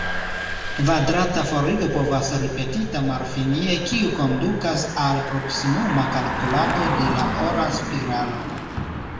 Kvadrata forigo povas ripetita malfinie, kiu kondukas al proksimuma kalkulado de la ora spiralo.